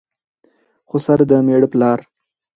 خسر دمېړه پلار